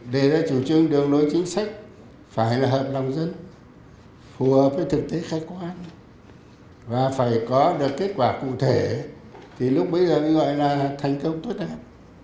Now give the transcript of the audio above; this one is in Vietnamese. để ra chủ trương đường đối chính sách phải là hợp lòng dân phù hợp với thực tế khai quán và phải có được kết quả cụ thể thì lúc bây giờ mới gọi là thành công tốt đẹp